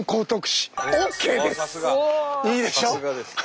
いいでしょ？